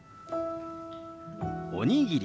「おにぎり」。